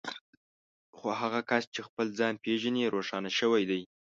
خو هغه کس چې خپل ځان پېژني روښانه شوی دی.